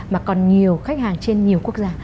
mà còn nhiều khách hàng trên nhiều quốc gia